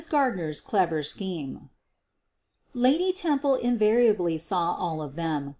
Gardner's clever scheme Lady Temple invariably saw all of them.